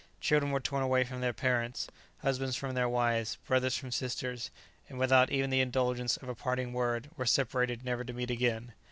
Children were torn away from their parents, husbands from their wives, brothers from sisters, and without even the indulgence of a parting word, were separated never to meet again.